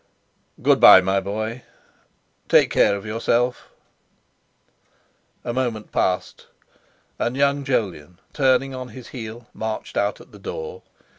"Good bye, my boy; take care of yourself." A moment passed, and young Jolyon, turning on his heel, marched out at the door.